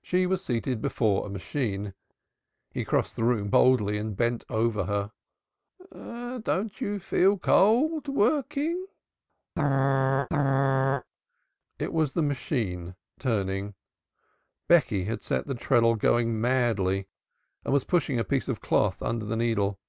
She was seated before a machine. He crossed the room boldly and bent over her. "Don't you feel cold, working?" Br r r r r r h! It was the machine turning. Becky had set the treadle going madly and was pushing a piece of cloth under the needle.